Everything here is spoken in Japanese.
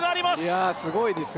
いやあすごいですね